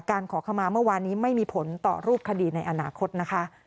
ขอขมาเมื่อวานนี้ไม่มีผลต่อรูปคดีในอนาคตนะคะ